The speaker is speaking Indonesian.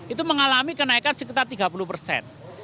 itu mengalami kenaikan sekitar tiga puluh persen